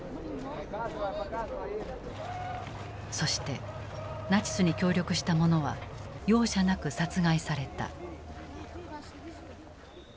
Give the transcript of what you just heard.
そしてナチスに協力したものは容赦なく殺害された。